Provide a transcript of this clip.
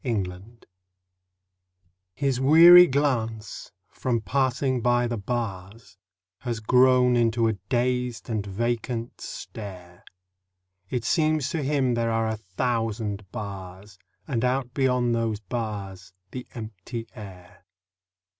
THE PANTHER His weary glance, from passing by the bars, Has grown into a dazed and vacant stare; It seems to him there are a thousand bars And out beyond those bars the empty air.